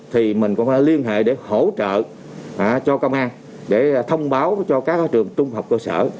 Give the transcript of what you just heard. thì mình cũng phải liên hệ để hỗ trợ cho công an để thông báo cho các trường trung học cơ sở